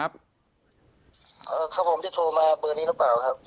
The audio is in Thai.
ครับผมจะโทรมาเบอร์นี้หรือเปล่าครับ